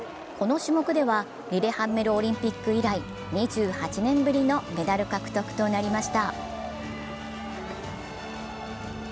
この種目ではリレハンメルオリンピック以来、２８年ぶりのメダル獲得となりました。